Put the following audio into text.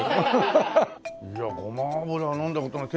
いやゴマ油は飲んだ事ない。